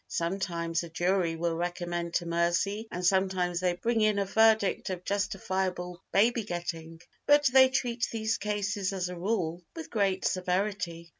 Sometimes a jury will recommend to mercy and sometimes they bring in a verdict of "justifiable baby getting," but they treat these cases as a rule with great severity.